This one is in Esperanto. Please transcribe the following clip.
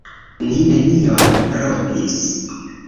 Ni nenion rompis.